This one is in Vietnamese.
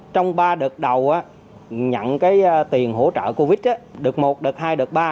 trong ba đợt đầu nhận cái tiền hỗ trợ covid đợt một đợt hai đợt ba